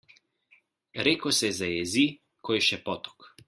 Reko se zajezi, ko je še potok.